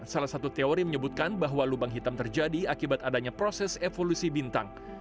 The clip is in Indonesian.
salah satu teori menyebutkan bahwa lubang hitam terjadi akibat adanya proses evolusi bintang